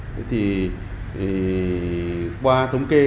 thế thì qua thống kê